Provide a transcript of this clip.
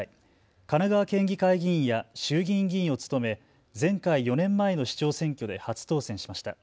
神奈川県議会議員や衆議院議員を務め、前回４年前の市長選挙で初当選しました。